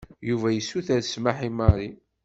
Yuba yessuter smeḥ i Mary.